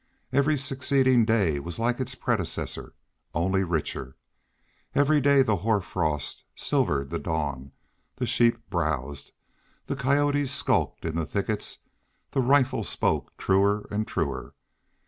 Every succeeding day was like its predecessor, only richer. Every day the hoar frost silvered the dawn; the sheep browsed; the coyotes skulked in the thickets; the rifle spoke truer and truer.